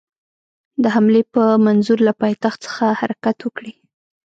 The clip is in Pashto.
د حملې په منظور له پایتخت څخه حرکت وکړي.